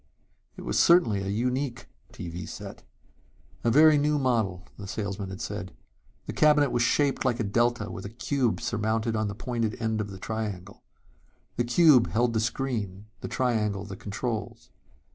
It was certainly a unique TV set. A very new model, the salesman had said. The cabinet was shaped like a delta with a cube surmounted on the pointed end of the triangle. The cube held the screen, the triangle, the controls.